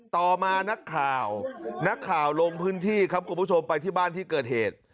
ต่อมานักข่าวนักข่าวลงพื้นที่ครับคุณผู้ชมไปที่บ้านที่เกิดเหตุ